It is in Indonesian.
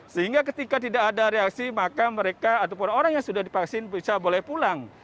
sehingga ketika tidak ada reaksi maka mereka ataupun orang yang sudah divaksin bisa boleh pulang